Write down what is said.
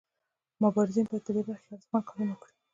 مبارزین باید په دې برخه کې ارزښتمن کارونه وکړي.